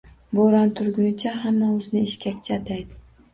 Boʻron turgunicha hamma oʻzini eshkakchi ataydi